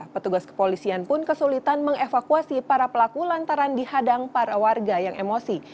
petugas kepolisian pun kesulitan mengevakuasi para pelaku lantaran dihadang para warga yang emosi